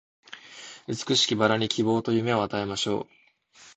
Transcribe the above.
美しき薔薇に希望と夢を与えましょう